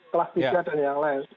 kelas tiga dan yang lain